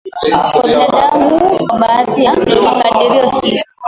kwa binadamu kwa baadhi ya makadirio hii